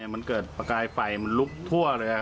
มันเกิดประกายไฟลุกทั่วเลยนะครับ